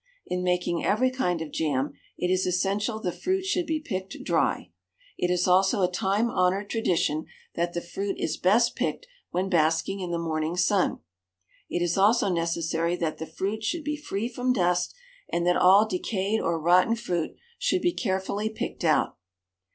In making every kind of jam it is essential the fruit should be picked dry. It is also a time honoured tradition that the fruit is best picked when basking in the morning sun. It is also necessary that the fruit should be free from dust, and that all decayed or rotten fruit should be carefully picked out.